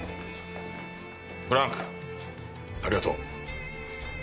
ブランクありがとう。